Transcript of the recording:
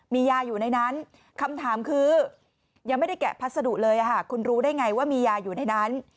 มียาอยู่ในนั้นคำถามคือยังไม่ได้แกะพัสดุเลยคุณรู้ได้ไงว่ามียาอยู่ในนั้น